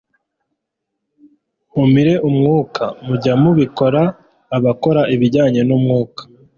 umire umwuka, mujya mu bikora abakora ibijyanye n'umwuka